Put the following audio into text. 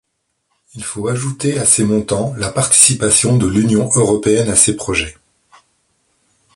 Il faut ajouter à ces montants la participation de l'Union européenne à ces projets.